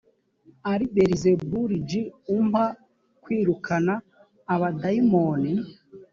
ari belizebuli j umpa kwirukana abadayimoni